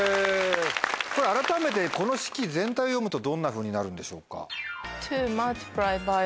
改めてこの式全体を読むとどんなふうになるんでしょうか？